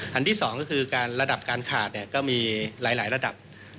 อันที่๒ก็คือการระดับการขาดก็มีหลายระดับ